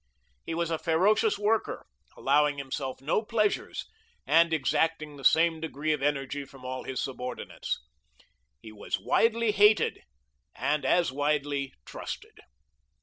He was a ferocious worker, allowing himself no pleasures, and exacting the same degree of energy from all his subordinates. He was widely hated, and as widely trusted.